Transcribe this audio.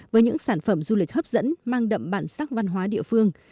với những sản phẩm du lịch hấp dẫn mang đậm bản sắc văn hóa địa phương